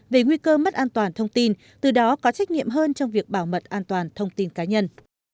về nguy cơ mất an toàn thông tin từ đó có trách nhiệm hơn trong việc bảo mật an toàn thông tin cá nhân